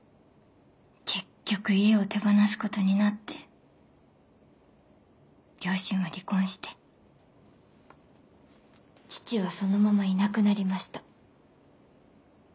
結局家を手放すことになって両親は離婚して父はそのままいなくなりました。